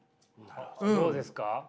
どうですか？